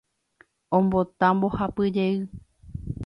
Ombota mbohapy jey